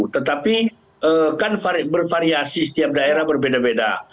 tetapi kan bervariasi setiap daerah berbeda beda